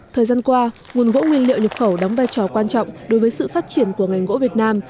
thời gian qua nguồn gỗ nguyên liệu nhập khẩu đóng vai trò quan trọng đối với sự phát triển của ngành gỗ việt nam